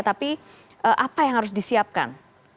tapi apa yang harus disiapkan